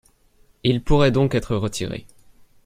Il pourrait donc être retiré.